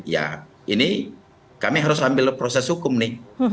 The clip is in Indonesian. ya ini kami harus ambil proses hukum nih